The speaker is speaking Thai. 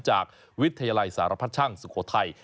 จากวิทยาลัยสารพัดช่างสุโขทัย